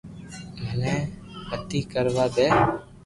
مني متي ڪر وا دي